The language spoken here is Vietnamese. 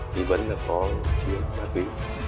vì vẫn là có chuyện ma túy